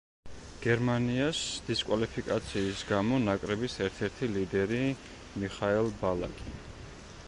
გერმანიას დისკვალიფიკაციის გამო ნაკრების ერთ-ერთი ლიდერი მიხაელ ბალაკი.